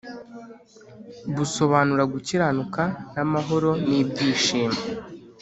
Busobanura gukiranuka n’amahoro n’ibyishimo